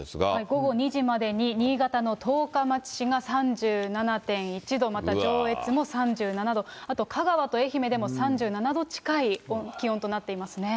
午後２時までに新潟の十日町市が３７．１度、また上越も３７度、あと香川と愛媛でも３７度近い気温となっていますね。